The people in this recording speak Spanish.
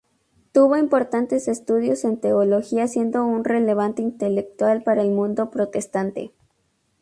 Tuvo importantes estudios en teología siendo un relevante intelectual para el mundo protestante.